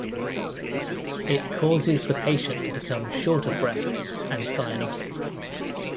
It causes the patient to become short of breath and cyanotic.